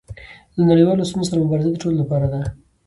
له نړیوالو ستونزو سره مبارزه د ټولو لپاره ده.